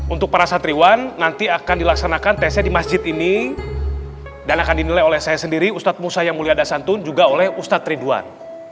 untuk para santriwan nanti akan dilaksanakan tesnya di masjid ini dan akan dinilai oleh saya sendiri ustadz musayamulia dan santun juga oleh ustadz ridwan